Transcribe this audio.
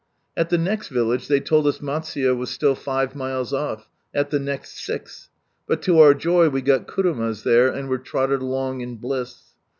At the next village they told us Matsuye was still five miles off, at the next six ; but to our joy we got kurunias there, and were trotted along in bliss.